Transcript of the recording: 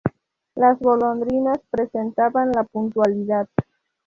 Las golondrinas representaban la puntualidad.